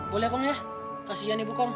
boleh kong ya kasihan ibu kong